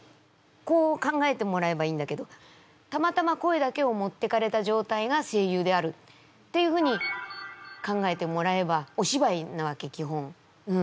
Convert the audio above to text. こう考えてもらえばいいんだけどたまたま声だけを持っていかれたじょうたいが声優であるっていうふうに考えてもらえばお芝居なわけきほん。